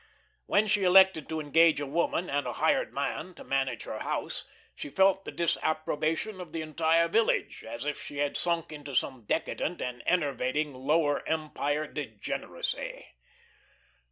When she elected to engage a woman and a "hired man" to manage her house, she felt the disapprobation of the entire village, as if she had sunk into some decadent and enervating Lower Empire degeneracy.